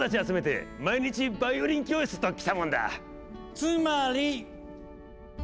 つまり。